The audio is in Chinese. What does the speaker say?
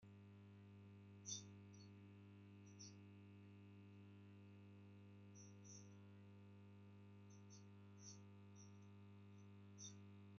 本游戏低劣的移植效果被归咎于雅达利公司市场部门过于急切地试图提早发售游戏。